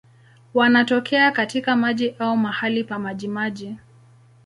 Wanatokea katika maji au mahali pa majimaji.